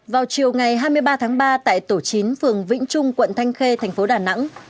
vào chiều ngày hai mươi ba tháng ba tại tổ chín phường vĩnh trung quận thanh khê thành phố đà nẵng